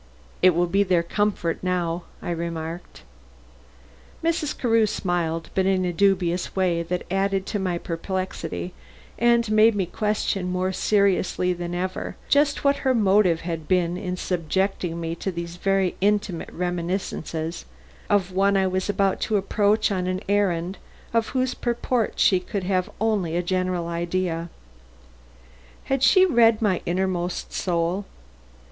"It will be their comfort now," I remarked. Mrs. Carew smiled, but in a dubious way that added to my perplexity and made me question more seriously than ever just what her motive had been in subjecting me to these very intimate reminiscences of one I was about to approach on an errand of whose purport she could have only a general idea. Had she read my inmost soul?